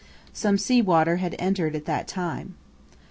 Some sea water had entered at that time.